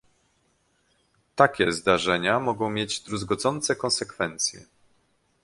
Takie zdarzenia mogą mieć druzgocące konsekwencje